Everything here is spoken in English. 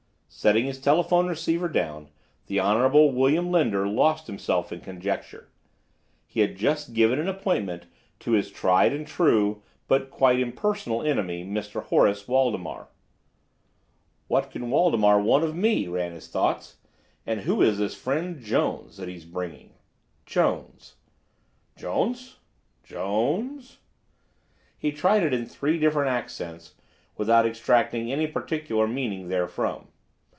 Setting his telephone receiver down the Honorable William Linder lost himself in conjecture. He had just given an appointment to his tried and true, but quite impersonal enemy, Mr. Horace Waldemar. "What can Waldemar want of me?" ran his thoughts. "And who is this friend, Jones, that he's bringing? Jones? Jones! Jones?!" He tried it in three different accents, without extracting any particular meaning therefrom.